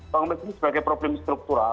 komitmen ini sebagai problem struktural